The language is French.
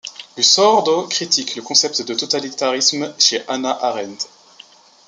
Losurdo critique le concept de totalitarisme chez Hannah Arendt.